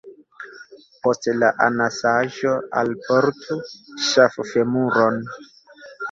Post la anasaĵo alportu ŝaffemuron.